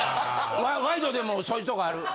『ワイド』でもそういうとこある。